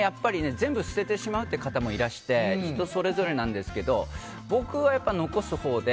全部捨ててしまうっていう方もいらして人それぞれなんですけど僕は、やっぱり残すほうで。